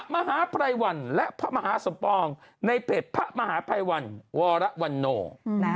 ภะมหาไพรวันและภะมหาสมปองในเผ็ดภะมหาไพรวันวาระวันนก